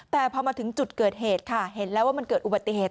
แต่พอมาถึงจุดเกิดเหตุค่ะเห็นแล้วว่ามันเกิดอุบัติเหตุ